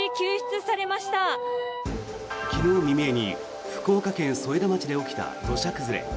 昨日未明に福岡県添田町で起きた土砂崩れ。